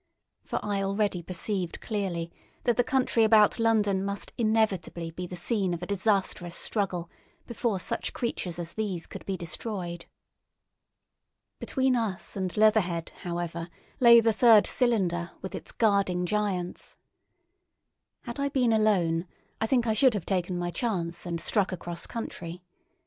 For I already perceived clearly that the country about London must inevitably be the scene of a disastrous struggle before such creatures as these could be destroyed. Between us and Leatherhead, however, lay the third cylinder, with its guarding giants. Had I been alone, I think I should have taken my chance and struck across country.